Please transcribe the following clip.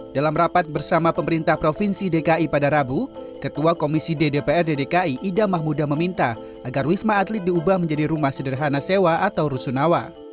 dalam rapat bersama pemerintah provinsi dki pada rabu ketua komisi ddpr dki ida mahmuda meminta agar wisma atlet diubah menjadi rumah sederhana sewa atau rusunawa